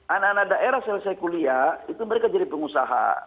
anak anak daerah selesai kuliah itu mereka jadi pengusaha